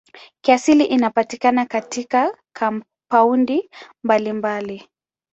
Kiasili inapatikana katika kampaundi mbalimbali.